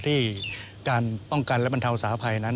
ที่การป้องกันและแบนเทาสาภัย